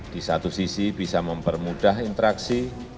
di satu sisi bisa mempermudah interaksi